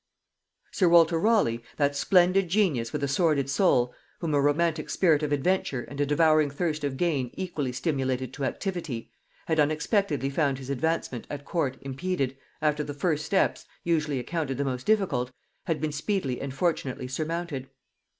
Sir Walter Raleigh, that splendid genius with a sordid soul, whom a romantic spirit of adventure and a devouring thirst of gain equally stimulated to activity, had unexpectedly found his advancement at court impeded, after the first steps, usually accounted the most difficult, had been speedily and fortunately surmounted.